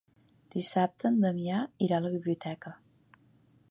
Dissabte en Damià irà a la biblioteca.